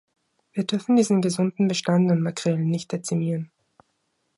Wir dürfen diesen gesunden Bestand an Makrelen nicht dezimieren.